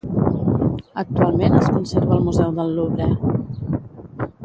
Actualment es conserva al Museu del Louvre.